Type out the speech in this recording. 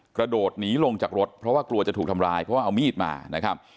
กระโดดหนีลงจากรถเพราะว่ากลัวจะถูกทำร้ายเพราะว่าเอามีดมานะครับ